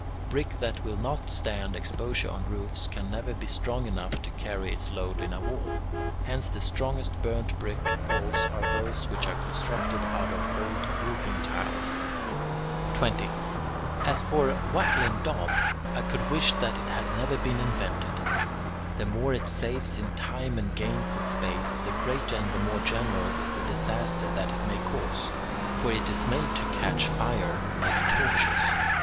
Brick that will not stand exposure on roofs can never be strong enough to carry its load in a wall. Hence the strongest burnt brick walls are those which are constructed out of old roofing tiles. 20. As for "wattle and daub" I could wish that it had never been invented. The more it saves in time and gains in space, the greater and the more general is the disaster that it may cause; for it is made to catch fire, like torches.